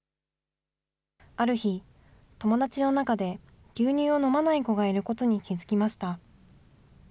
ある日、友達の中で牛乳を飲まない子がいることに気付きました。